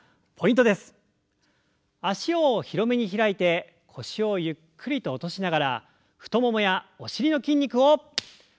脚を広めに開いて腰をゆっくりと落としながら太ももやお尻の筋肉を刺激していきましょう。